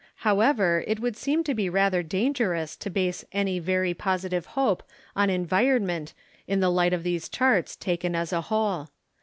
However, it would seem to be rather dangerous to base any very positive hope on environment in the light of these charts, taken as a whole.